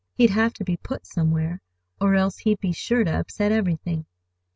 He'd have to be put somewhere, or else he'd be sure to upset everything.